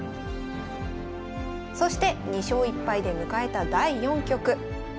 そして２勝１敗で迎えた第４局。